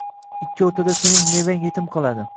ikki o’rtada sening mevang yetim qoladi.